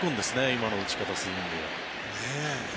今の打ち方、スイングで。